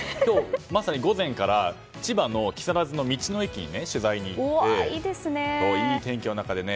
まさに午前から千葉の木更津の道の駅に取材に行っていい天気の中でね